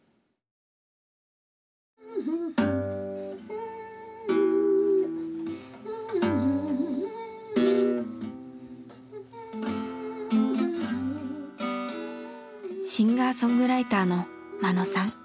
シンガーソングライターの眞野さん。